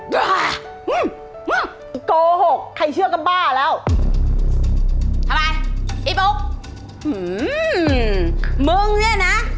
บ้าโกหกใครเชื่อก็บ้าแล้วทำไมไอ้บุ๊กมึงเนี่ยนะ